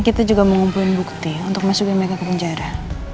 kita juga mengumpulkan bukti untuk masukin mereka ke penjara